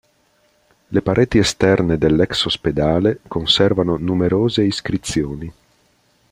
Le pareti esterne dell'ex-ospedale conservano numerose iscrizioni.